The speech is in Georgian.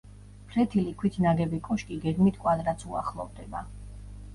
ფლეთილი ქვით ნაგები კოშკი გეგმით კვადრატს უახლოვდება.